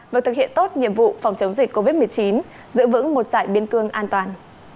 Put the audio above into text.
vừa thực hiện tốt nhiệm vụ phòng chống dịch covid một mươi chín giữ vững một giải biên cương an toàn